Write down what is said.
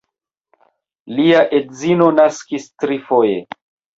Lia edzino naskis trifoje.